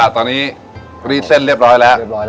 ตอนนี้รีดเส้นเรียบร้อยแล้ว